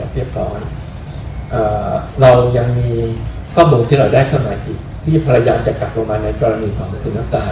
ที่พยายำจะกลับบนในกรณีของผลิตน้ำตา